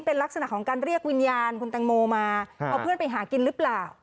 เป็นลักษณะของการเรียกวิญญาณคุณตังโมมาเอาเพื่อนไปหากินหรือเปล่า